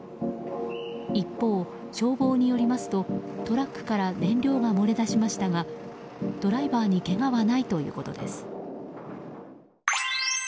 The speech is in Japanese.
一方、消防によりますとトラックから燃料が漏れだしましたがドライバーにけがはないということです。